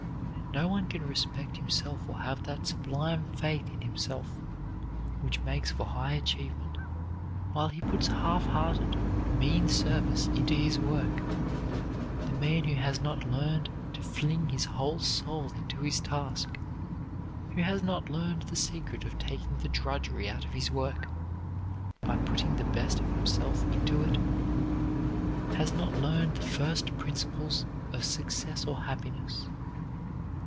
No one can respect himself or have that sublime faith in himself which makes for high achievement while he puts half hearted, mean service into his work. The man who has not learned to fling his whole soul into his task, who has not learned the secret of taking the drudgery out of his work by putting the best of himself into it, has not learned the first principles of success or happiness.